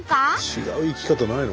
違う行き方ないの？